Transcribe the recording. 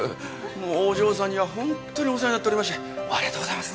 お嬢さんにはホントにお世話になっておりましてありがとうございます